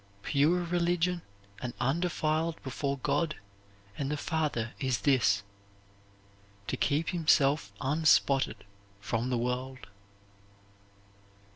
"Pure religion and undefiled before God and the Father is this to keep himself unspotted from the world."